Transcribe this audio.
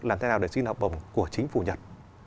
làm thế nào để xin học bổng của chính phủ nhật